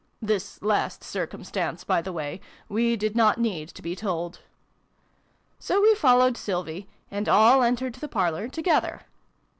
(this last circumstance, by the way, we did not need to be told). So we followed Sylvie, and all entered the parlour together.